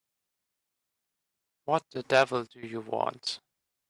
What the devil do you want?